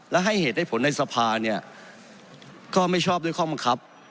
และให้เหตุได้ผลในสภาเนี่ยก็ไม่ชอบด้วยข้อบังคับ